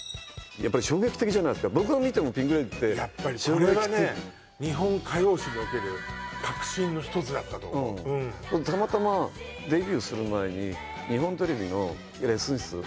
やっぱり衝撃的じゃないすか僕が見てもピンク・レディーって衝撃的これはね日本歌謡史における革新の１つだったと思うたまたまデビューする前に日本テレビのレッスン室